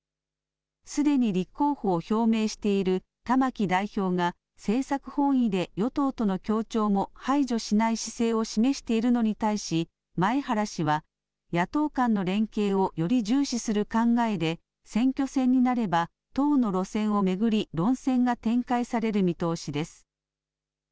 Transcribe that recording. すでに立候補を表明している玉木代表が政策本位で与党との協調も排除しない姿勢を示しているのに対し、前原氏は、野党間の連携をより重視する考えで、選挙戦になれば、党の路線を巡り、論戦が展開される見通しです。